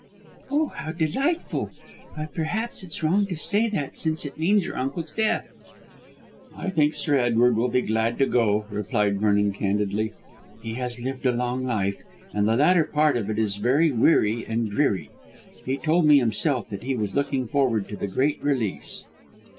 "Oh, how delightful. But perhaps it's wrong to say that since it means your uncle's death." "I think Sir Edward will be glad to go," replied Vernon candidly. "He has lived a long life, and the latter part of it is very weary and dreary. He told me himself that he was looking forward to the great release."